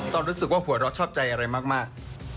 รู้สึกว่าหัวเราะชอบใจอะไรมาก